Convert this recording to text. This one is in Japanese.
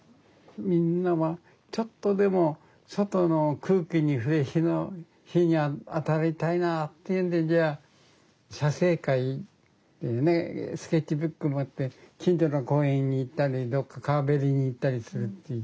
みんなはちょっとでも外の空気に触れ日に当たりたいなっていうんでじゃあ写生会スケッチブック持って近所の公園に行ったりどっか川べりに行ったりする。